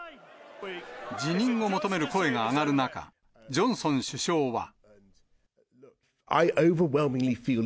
辞任を求める声が上がる中、ジョンソン首相は。